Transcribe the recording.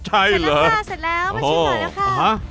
ใช่แล้วเอาสิดหน่อยนะคะ